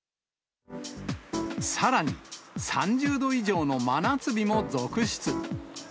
さらに３０度以上の真夏日も続出。